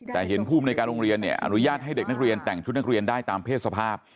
แต่เห็นภูมิในการโรงเรียนเนี่ยอนุญาตให้เด็กนักเรียนแต่งชุดนักเรียนได้ตามเพศสภาพ